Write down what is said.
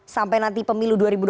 sampai nanti pemilu dua ribu dua puluh